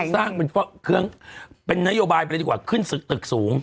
สร้างเป็นเครื่องเป็นนโยบายไปเลยดีกว่าขึ้นตึกสูง